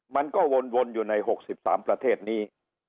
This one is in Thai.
มันก็วนอยู่ใน๖๓ประเทศนี้